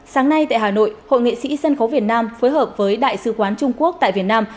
sáng nay tại hà nội hội nghệ sĩ sân khấu việt nam phối hợp với đại sứ quán trung quốc tại việt nam